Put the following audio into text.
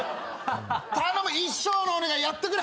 頼む一生のお願いやってくれ！